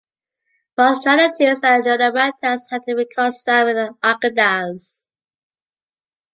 Both Jaunutis and Narimantas had to reconcile with Algirdas.